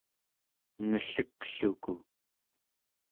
ngellekluku